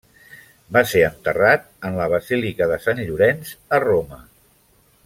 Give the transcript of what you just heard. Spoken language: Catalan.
Va ser enterrat en la Basílica de Sant Llorenç a Roma.